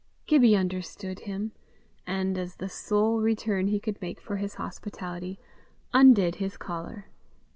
Gibbie understood him, and, as the sole return he could make for his hospitality, undid his collar.